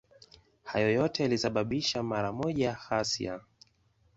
Hayo yote yalisababisha mara moja ghasia.